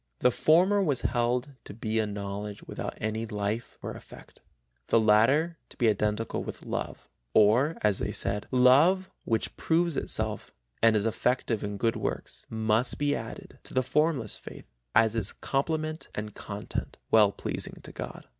The former was held to be a knowledge without any life or effect, the latter to be identical with love for, as they said, love which proves itself and is effective in good works must be added to the formless faith, as its complement and its content, well pleasing to God.